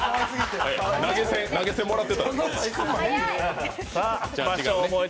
投げ銭もらってた。